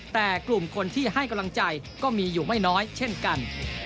แต่กลุ่มคนที่ให้กำลังใจก็มีอยู่ไม่น้อยเช่นกัน